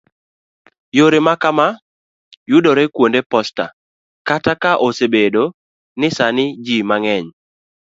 yore ma kamaa yudore kwonde posta, kata ka obedo ni sani ji mang'eny